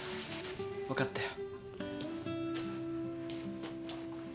分かったよ。